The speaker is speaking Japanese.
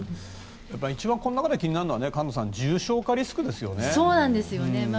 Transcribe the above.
一番この中で気になるのは重症化リスクですよね。